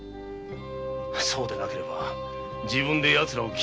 そうでなければ自分でヤツらを斬ったか